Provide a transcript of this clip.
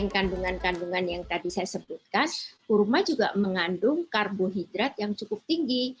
kedua kurma juga mengandung karbohidrat yang cukup tinggi